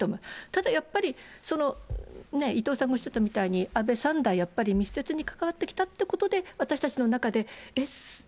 ただやっぱり、伊藤さんがおっしゃったみたいに、安倍３代やっぱり密接に関わってきたということで私たちの中で、え？